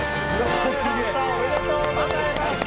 おめでとうございます！